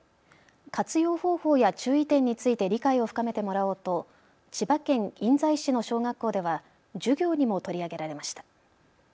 活用方法や注意点について理解を深めてもらおうと千葉県印西市の小学校では授業にも取り上げられました。